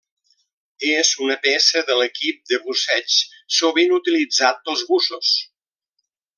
És una peça de l'equip de busseig sovint utilitzat pels bussos.